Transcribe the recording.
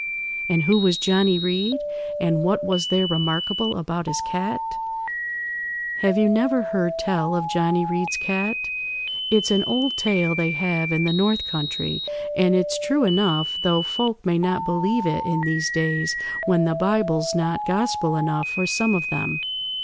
"And who was Johnny Reed? and what was there remarkable about his cat?" "Have you never heard tell of Johnny Reed's cat? It's an old tale they have in the north country, and it's true enough, though folk may not believe it in these days when the Bible's not gospel enough for some of them.